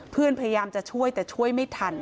พยายามจะช่วยแต่ช่วยไม่ทัน